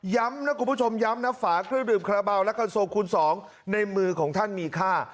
ย้ำนะคุณผู้ชมย้ำนะฝาเครื่องดื่มคาราบาลและคันโซคูณ๒ในมือของท่านมีค่า